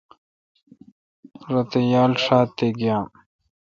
روتھ یال ݭات تے گیام۔